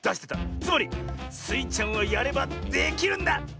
つまりスイちゃんはやればできるんだ！